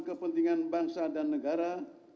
kepentingan bangsa dan negara